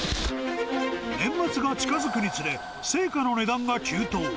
年末が近づくにつれ、青果の値段が急騰。